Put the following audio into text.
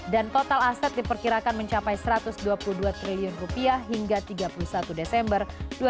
dan total aset diperkirakan mencapai satu ratus dua puluh dua triliun rupiah hingga tiga puluh satu desember dua ribu tujuh belas